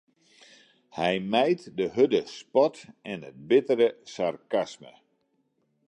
Hy mijt de hurde spot en it bittere sarkasme.